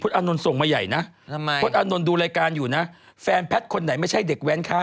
อานนท์ส่งมาใหญ่นะพลตอานนท์ดูรายการอยู่นะแฟนแพทย์คนไหนไม่ใช่เด็กแว้นคะ